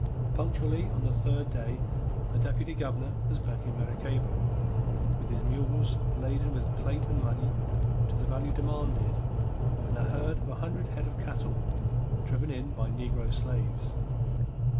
Punctually on the third day the Deputy Governor was back in Maracaybo with his mules laden with plate and money to the value demanded and a herd of a hundred head of cattle driven in by negro slaves.